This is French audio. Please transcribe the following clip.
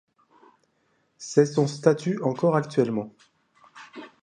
C’est son statut encore actuellement.